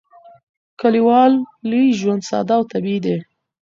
کلیوالي ژوند ساده او طبیعي دی.